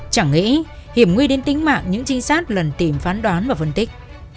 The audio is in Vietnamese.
chẳng nghĩ hiểm nguy đến tính mạng những trinh sát lần tìm phán đoán và phân tích